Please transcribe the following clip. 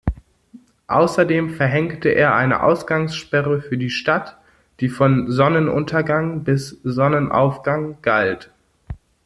Außerdem verhängte er eine Ausgangssperre für die Stadt, die von Sonnenuntergang bis Sonnenaufgang galt.